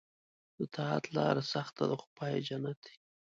د طاعت لاره سخته ده خو پای یې جنت دی.